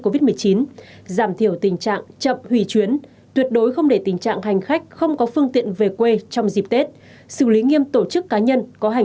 covid một mươi chín giảm thiểu tình trạng chậm hủy chuyến tuyệt đối không để tình trạng hành khách không có phương tiện về quê trong dịp tết